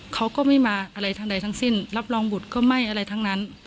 เขาก็ไม่มาอะไรทั้งใดทั้งสิ้นรับรองบุตรก็ไม่อะไรทั้งนั้น